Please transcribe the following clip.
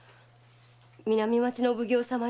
南町のお奉行様に